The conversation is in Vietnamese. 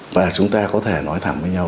và chúng ta có thể nói thẳng với nhau